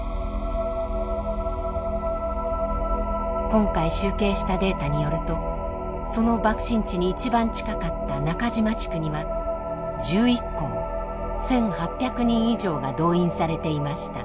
今回集計したデータによるとその爆心地に一番近かった中島地区には１１校１，８００人以上が動員されていました。